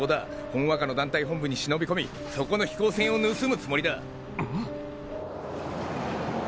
ほんわかの団体本部に忍び込みそこの飛行船を盗むつもりだ。